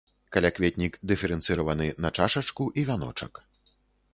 Калякветнік дыферэнцыраваны на чашачку і вяночак.